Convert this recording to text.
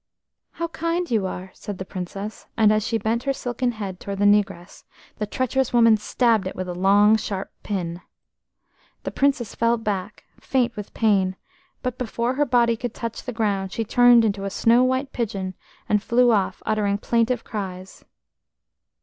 "How kind you are!" said the Princess, and as she bent her silken head towards the negress, the treacherous woman stabbed it with a long sharp pin. The Princess fell back, faint with pain, but before her body could touch the ground she turned into a snow white pigeon, and flew off uttering plaintive cries.